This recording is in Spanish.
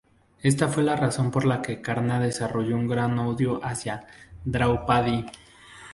Esta fue la razón por la que Karna desarrolló un gran odio hacia Draupadi.